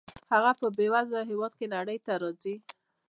هغه په بې وزله هېواد کې نړۍ ته راځي.